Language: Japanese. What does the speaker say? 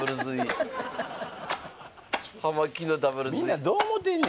みんなどう思てんね